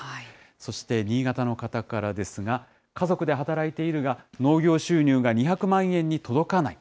そして新潟の方からですが、家族で働いているが、農業収入が２００万円に届かない。